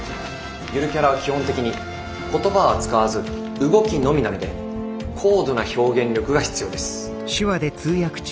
ゆるキャラは基本的に言葉は使わず動きのみなので高度な表現力が必要です。